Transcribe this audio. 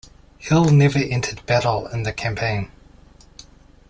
Hill never entered battle in the campaign.